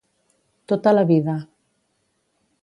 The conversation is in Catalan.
—Tota la vida.